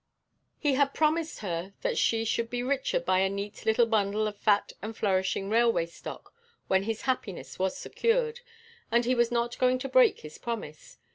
He had promised her that she should be the richer by a neat little bundle of fat and flourishing railway stock when his happiness was secured, and he was not going to break his promise.